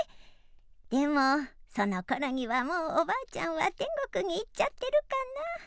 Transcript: でもそのころにはもうおばあちゃんはてんごくにいっちゃってるかなー。